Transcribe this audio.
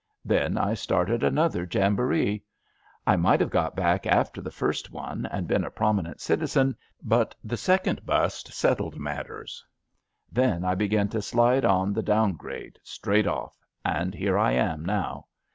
Then I started another jamboree. I might have got back after the first one, and been a prominent citizen, but the second bust settled matters. Then I began to slide on the down grade straight off, and here I am now.